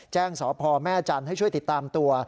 สพแม่จันทร์ให้ช่วยติดตามตัว